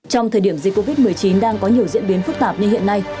trong thời điểm dịch covid một mươi chín đang có nhiều diễn biến phức tạp như hiện nay